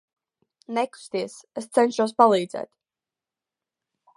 Nekusties, es cenšos palīdzēt.